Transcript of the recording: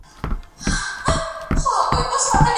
موږ کولای سو له ماڼۍ څخه ډګر ته وړاندي لاړ سو.